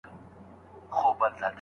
شاګرده له خپل استاد څخه تل مشوره واخله.